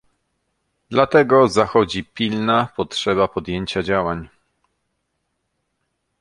Dlatego zachodzi pilna potrzeba podjęcia działań